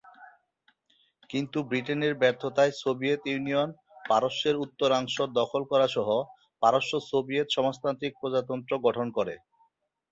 কিন্তু ব্রিটেনের ব্যর্থতায় সোভিয়েত ইউনিয়ন পারস্যের উত্তরাংশ দখল করাসহ পারস্য সোভিয়েত সমাজতান্ত্রিক প্রজাতন্ত্র গঠন করে।